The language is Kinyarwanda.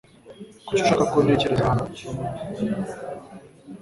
Kuki ushaka ko ntegereza hano?